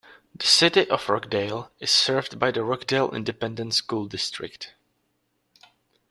The City of Rockdale is served by the Rockdale Independent School District.